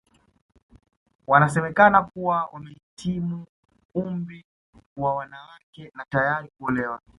Wanasemekana kuwa wamehitimu umri wa wanawake na tayari kuolewa